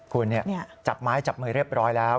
คุณจับไม้จับมือเรียบร้อยแล้ว